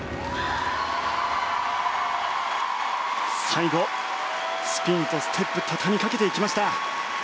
最後、スピンとステップ畳みかけていきました。